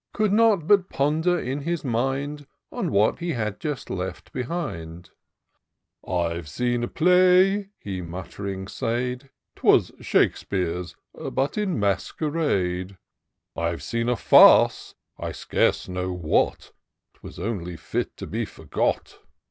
Could not but ponder in his mind On what he had just left behind* " IVe seen a play," he mutt'ring said; — "Twas Shakespeare's — ^but in masquerade ! IVe seen a farce, I scarce know what ; 'Twas only fit to be forgot.